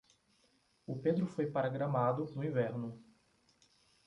O Pedro foi para Gramado no inverno.